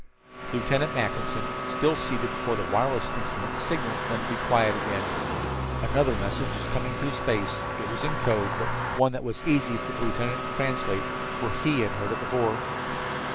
Lieutenant Mackinson, still seated before the wireless instrument, signaled them for quiet again. Another message was coming through space. It was in code, but was one that was easy for the lieutenant to translate, for he had heard it before.